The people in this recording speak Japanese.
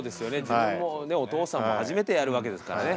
自分もねお父さんも初めてやるわけですからね。